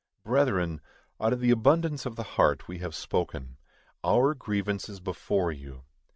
Brethren, out of the abundance of the heart we have spoken. _Our grievance is before you!